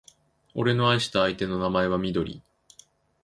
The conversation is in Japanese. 俺の愛した相手の名前はみどり